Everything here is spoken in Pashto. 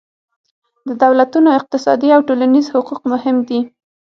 د دولتونو اقتصادي او ټولنیز حقوق هم مهم دي